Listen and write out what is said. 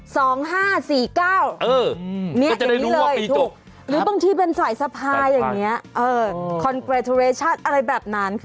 ก็จะได้รู้ว่าปีจบถูกหรือบางทีเป็นสายสะพายอย่างนี้คอนเกรดเตอร์เรชัดอะไรแบบนาน